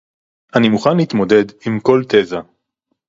אני מוכן להתמודד עם כל תזה